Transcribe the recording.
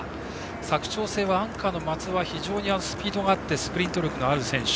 佐久長聖はアンカーの松尾は非常にスプリント力のある選手。